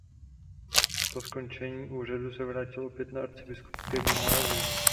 Po skončení úřadu se vrátil opět na arcibiskupské gymnázium.